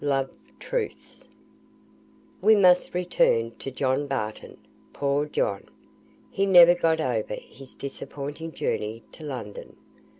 "LOVE TRUTHS." We must return to John Barton. Poor John! He never got over his disappointing journey to London.